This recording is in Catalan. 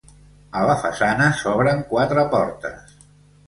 A la façana s'obren quatre portes.